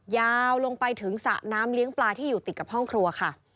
ยาวลงไปถึงสระน้ำเลี้ยงปลาที่อยู่ติดกับห้องครัวค่ะ